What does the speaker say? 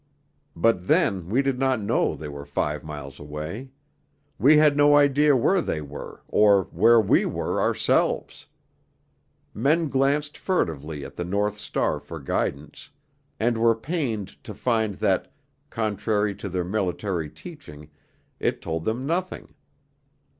But then we did not know they were five miles away; we had no idea where they were or where we were ourselves. Men glanced furtively at the North Star for guidance, and were pained to find that, contrary to their military teaching, it told them nothing.